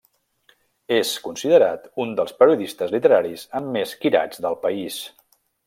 És considerat un dels periodistes literaris amb més quirats del país.